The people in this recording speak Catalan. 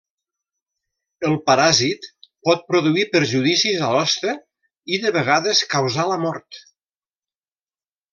El paràsit pot produir perjudicis a l'hoste i de vegades causar la mort.